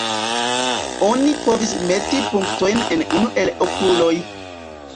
Oni povis meti punktojn en unu el "okuloj".